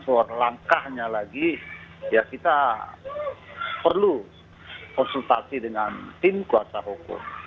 soal langkahnya lagi ya kita perlu konsultasi dengan tim kuasa hukum